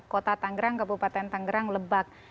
kota tangerang kabupaten tangerang lebak